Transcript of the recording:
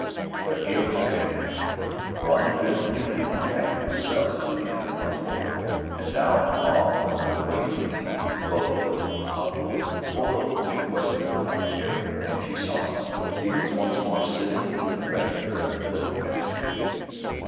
But Hale was happy now, for on that trip June had come back to herself, and to him, once more and now, awed but unafraid, eager, bubbling, uplooking, full of quaint questions about everything she saw, she was once more sitting with affectionate reverence at his feet.